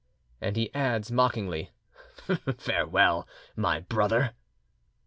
And he adds mockingly:— "Farewell, my brother!"